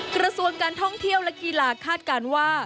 กระทรวงการท่องเที่ยวและกีฬาคาดการณ์ว่า